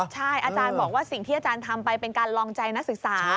ใช่อาจารย์บอกว่าสิ่งที่อาจารย์ทำไปเป็นการลองใจนักศึกษา